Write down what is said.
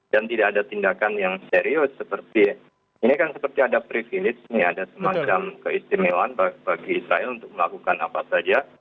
dan tidak ada tindakan yang serius seperti ini kan seperti ada privilege ini ada semacam keistimewaan bagi israel untuk melakukan apa saja